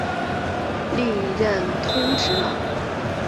历任通直郎。